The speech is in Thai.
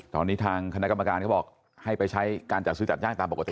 ตอนนี้ทางคณะกรรมการเขาบอกให้ไปใช้การจัดซื้อจัดจ้างตามปกติ